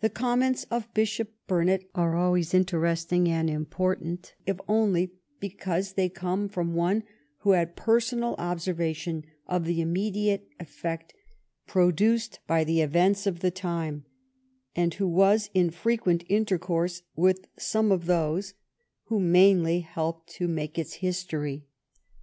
The comments of Bishop Burnet are always inter esting and important, if only because they come from one who had personal observation of the immediate effect produced by the events of the time, and who was in frequent intercourse with some of those who 249 THE BEIGN OF QUEEN ANNE mainly helped to make its history.